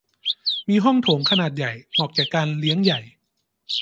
มีห้องโถงขนาดใหญ่ เหมาะแก่การเลี้ยงใหญ่